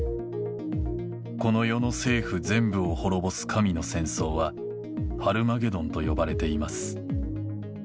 この世の政府全部を滅ぼす神の戦争は、ハルマゲドンと呼ばれています。